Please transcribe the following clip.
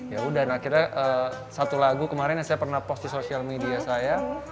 yaudah akhirnya satu lagu kemarin yang saya pernah post di social media saya